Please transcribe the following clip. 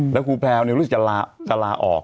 แล้วครูแพรวเนี่ยรู้สึกจะลาออก